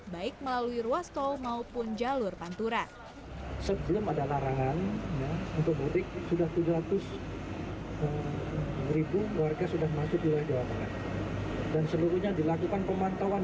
baik melalui ruas tol maupun jalur pantura